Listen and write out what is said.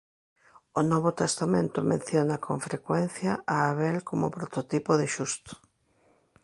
O Novo Testamento menciona con frecuencia a Abel como prototipo de xusto.